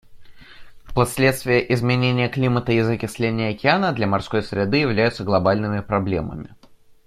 Последствия изменения климата и закисления океана для морской среды являются глобальными проблемами.